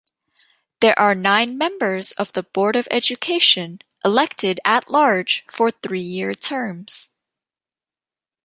There are nine members of the Board of Education elected at-large for three-year terms.